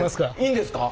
いいんですか？